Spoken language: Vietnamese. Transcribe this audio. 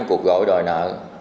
cuộc gọi đòi nợ